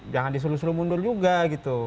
jangan disuruh suruh mundur juga gitu